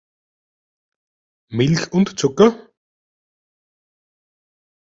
Milch und Zucker?